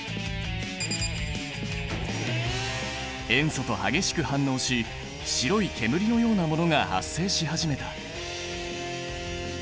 塩素と激しく反応し白い煙のようなものが発生し始めた。